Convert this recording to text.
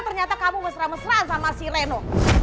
ternyata kamu mesra mesraan sama si reno